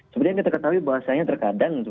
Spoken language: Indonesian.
sebenarnya kita ketahui bahwasannya terkadang